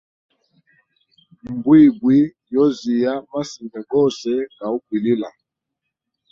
Mbwimbwi yoziya masinda gose ga ukwilila.